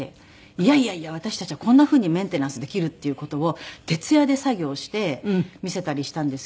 いやいやいや私たちはこんなふうにメンテナンスできるっていう事を徹夜で作業して見せたりしたんですけど。